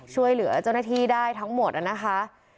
ช่วยเหลือเจ้าหน้าที่ได้ทั้งหมดนะคะ